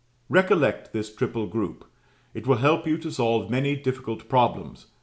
Recollect this triple group; it will help you to solve many difficult problems.